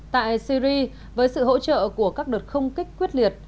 tại syri với sự hỗ trợ của các đợt không kích quyết liệt